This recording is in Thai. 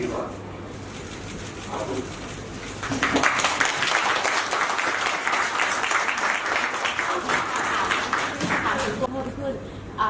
ขอบคุณค่ะ